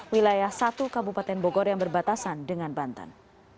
wilayah satu kabupaten bogor yang berbatasan dengan banten